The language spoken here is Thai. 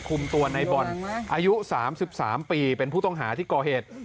คุมตัวในบอลอายุ๓๓ปีเป็นผู้ต้องหาที่ก่อเหตุ